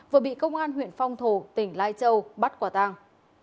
vừa bị công an huyện phong thổ tỉnh lai châu bắt quả tàng